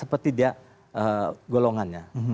seperti dia golongannya